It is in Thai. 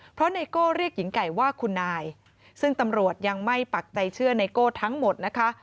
เพราะไนโก้เรียกหญิงไก่ว่าคุณนายซึ่งตำรวจยังไม่ปักใจเชื่อไนโก้ทั้งหมดนะคะ